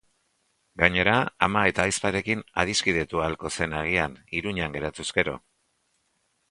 Gainera, ama eta ahizparekin adiskidetu ahalko zen agian, Iruñean geratuz gero.